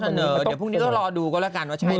ต้องเสนอเดี๋ยวพรุ่งนี้ก็รอดูก็แล้วกันว่าใช่ไม่ใช่